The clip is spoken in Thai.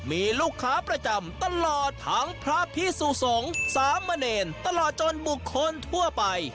มีลูกค้าประจำตลอดทั้งพระพิสุสงฆ์สามเณรตลอดจนบุคคลทั่วไป